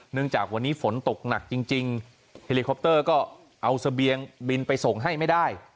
จากวันนี้ฝนตกหนักจริงเฮลิคอปเตอร์ก็เอาเสบียงบินไปส่งให้ไม่ได้